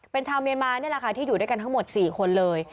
เป็นชาวเมียนมานี่แหละค่ะที่อยู่ด้วยกันทั้งหมด๔คนเลย